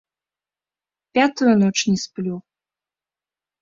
Пятую ноч не сплю.